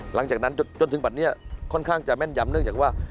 หลังจากนั้นจนถึงบัตรนี้ค่อนข้างจะแม่นยำเนื่องจากว่า